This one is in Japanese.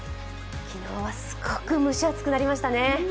昨日はすごく蒸し暑くなりましたね。